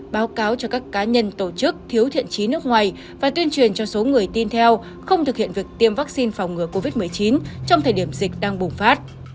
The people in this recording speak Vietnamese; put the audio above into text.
báo cáo cho các cá nhân tổ chức thiếu thiện trí nước ngoài và tuyên truyền cho số người tin theo không thực hiện việc tiêm vaccine phòng ngừa covid một mươi chín trong thời điểm dịch đang bùng phát